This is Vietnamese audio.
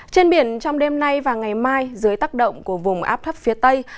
trên biển trong đêm nay và ngày mai dưới tác động của vùng áp thấp phía tây